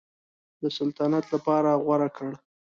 د سلطنت لپاره غوره کړ.